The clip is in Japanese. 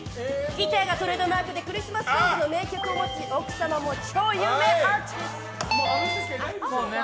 ギターがトレードマークでクリスマスソングの名曲を持ち奥様も超有名アーティスト。